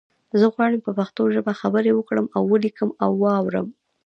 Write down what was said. زه غواړم په پښتو ژبه خبری وکړم او ولیکم او وارم